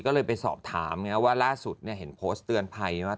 ก็เลยไปสอบถามว่าล่าสุดเห็นโพสต์เตือนภัยว่า